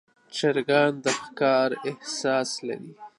چرګان د ښکار احساس لري.